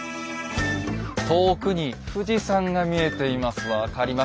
遠くに富士山が見えています。